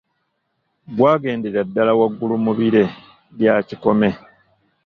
Gwagendera ddala waggulu mu bire bya kikome.